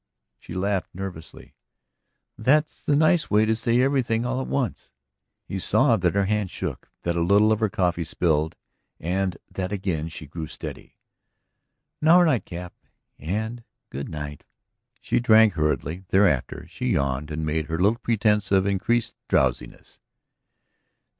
She laughed nervously. "That's the nice way to say everything all at once!" He saw that her hand shook, that a little of her coffee spilled, and that again she grew steady. "Now our night cap and good night!" She drank hurriedly. Thereafter she yawned and made her little pretense of increased drowsiness.